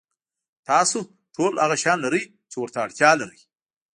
تاسو ټول هغه شیان لرئ چې ورته اړتیا لرئ.